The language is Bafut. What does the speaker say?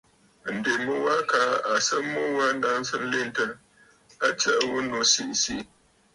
Ǹdèmu wa kaa à sɨ mu wa naŋsə nlentə, a tsəʼə ghu nu siʼi siʼi.